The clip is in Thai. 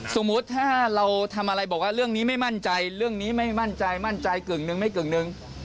สมมุติถ้าเราทำอะไรบอกว่าเรื่องนี้ไม่มั่นใจเรื่องนี้ไม่มั่นใจมั่นใจกึ่งหนึ่งไม่กึ่งหนึ่ง